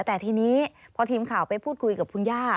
แต่ทีนี้พอทีมข่าวไปพูดคุยกับคุณย่า